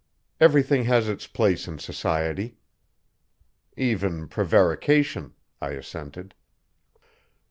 "Everything has its place in society." "Even prevarication," I assented.